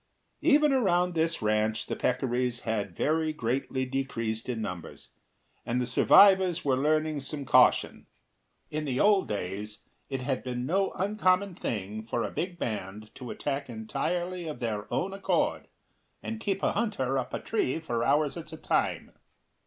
Even around this ranch the peccaries had very greatly decreased in numbers, and the survivors were learning some caution. In the old days it had been no uncommon thing for a big band to attack entirely of their own accord, and keep a hunter up a tree for hours at a time.